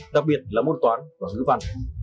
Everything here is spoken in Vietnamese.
đặc biệt là môn toán và ngữ văn